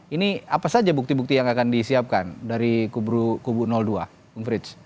ini apa saja bukti bukti yang akan disiapkan dari kubu dua bung frits